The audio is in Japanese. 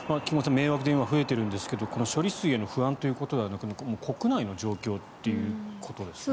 迷惑電話が増えているんですがこの処理水への不安ということでなく国内状況ということですね。